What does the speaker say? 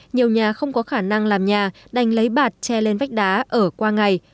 nhiều nhà không có khả năng làm nhà đành lấy bạt che lên vách đá ở qua ngày